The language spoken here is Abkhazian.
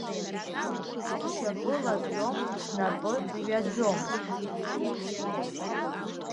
Сшьапы лаӡом, снапы ҩаӡом.